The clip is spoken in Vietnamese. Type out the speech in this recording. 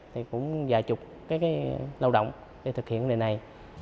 thì cũng vài chục cái lao động vài chục cái lao động vài chục cái lao động